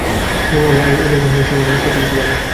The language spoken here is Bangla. যে মডেলে এরর কম হবে সেই মডেলটি তত বেশী ভালো হবে।